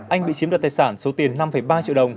anh bị chiếm đoạt tài sản số tiền năm ba triệu đồng